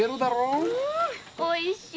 あおいしい。